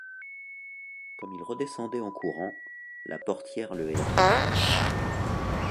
Comme il redescendait en courant, la portière le héla.